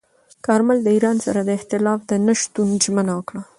کارمل د ایران سره د اختلاف د نه شتون ژمنه وکړه.